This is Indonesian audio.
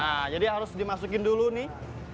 nah jadi harus dimasukin dulu nih